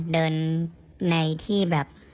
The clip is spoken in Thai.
เดินในที่แบบ